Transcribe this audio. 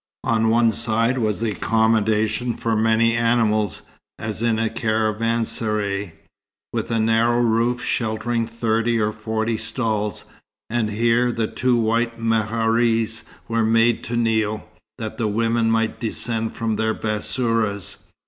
On one side was accommodation for many animals, as in a caravanserai, with a narrow roof sheltering thirty or forty stalls; and here the two white meharis were made to kneel, that the women might descend from their bassourahs.